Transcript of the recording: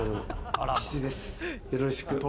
よろしく。